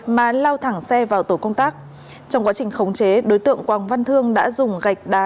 mà lao thẳng xe vào tổ công tác trong quá trình khống chế đối tượng quang văn thương đã dùng gạch đá